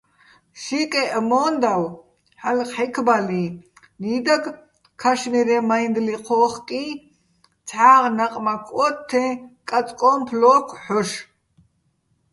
შიკეჸ მო́ნდავ ჰ̦ალო̆ ქჵექბალიჼ, ნიდაგ, ქაშმირეჼ მაჲნდლი ჴო́ხკიჼ, ცჰ̦აღ ნაყმაქ ო́თთეჼ კაწკოჼ ფლო́ქო̆ ჰ̦ოშ.